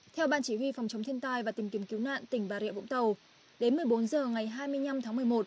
theo ban chỉ huy phòng chống thiên tai và tìm kiếm cứu nạn tỉnh bà rịa vũng tàu đến một mươi bốn h ngày hai mươi năm tháng một mươi một